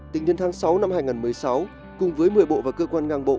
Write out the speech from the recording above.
tính đến tháng sáu năm hai nghìn một mươi sáu cùng với một mươi bộ và cơ quan ngang bộ